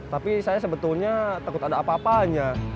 tapi saya sebetulnya takut ada apa apanya